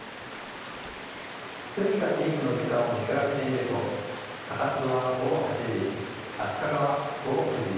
水位がピークの時間を見比べてみると高津戸は午後８時、足利は午後９時。